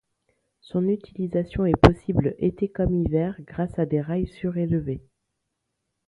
Son utilisation est possible été comme hiver grâce à des rails surélevés.